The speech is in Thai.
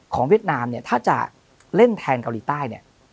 ของเวียดนามถ้าจะเล่นแทนเกาหลีใต้